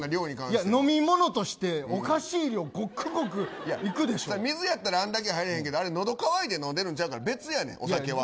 飲み物としておかしい量を水だったらあんだけ入らへんけどのど乾いて飲んでるんちゃうから別やねん、お酒は。